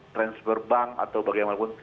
transfer bank atau bagaimanapun